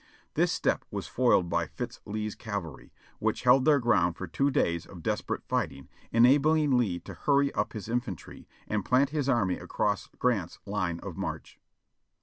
This step was foiled by Fitz Lee's cavalry, which held their ground for two days of desperate fighting, enabling Lee to hurry up his infantry and plant his army across Grant's line of march.